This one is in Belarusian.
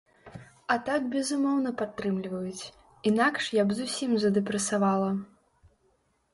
А так безумоўна падтрымліваюць, інакш я б зусім задэпрэсавала.